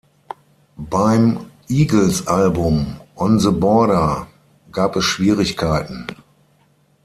Beim Eagles-Album "On the Border" gab es Schwierigkeiten.